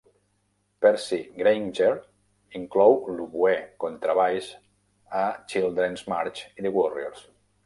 Percy Grainger inclou l'oboè contrabaix a Children's March i The Warriors.